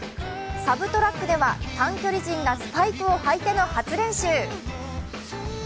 サブトラックでは短距離陣がスパイクを履いての初練習。